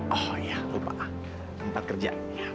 oh ya lupa tempat kerja